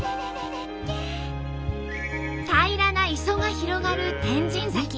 平らな磯が広がる天神崎。